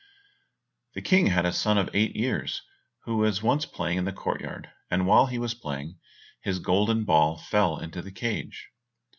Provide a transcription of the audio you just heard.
The King had a son of eight years, who was once playing in the court yard, and while he was playing, his golden ball fell into the cage.